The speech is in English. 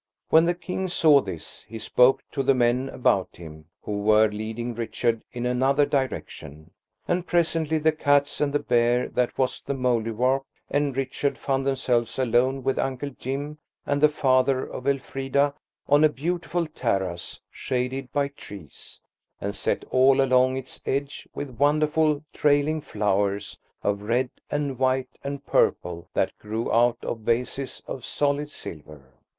When the King saw this, he spoke to the men about him, who were leading Richard in another direction, and presently the cats and the bear that was the Mouldiwarp, and Richard found themselves alone with Uncle Jim and the father of Elfrida on a beautiful terrace shaded by trees, and set all along its edge with wonderful trailing flowers of red and white and purple that grew out of vases of solid silver.